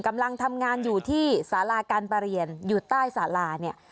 กำลังทำงานอยู่ที่สาราการประเรียนอยู่ใต้สาราเนี่ย